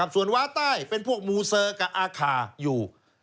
ส่วนว้าใต้เป็นพวกมูเซอร์กับอาคาอยู่